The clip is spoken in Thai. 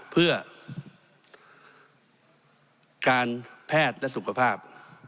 เพื่อการแพทย์และสุขภาพ